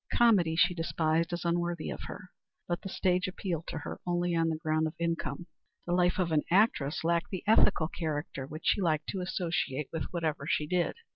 Comedy she despised as unworthy of her. But the stage appealed to her only on the ground of income. The life of an actress lacked the ethical character which she liked to associate with whatever she did.